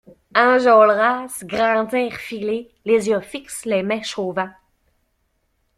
Enjolras, Grantaire filaient, les yeux fixes, les mèches au vent.